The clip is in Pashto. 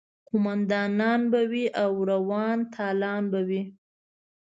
قوماندانان به وي او روا تالان به وي.